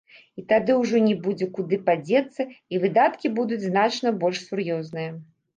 І тады ўжо не будзе куды падзецца, і выдаткі будуць значна больш сур'ёзныя.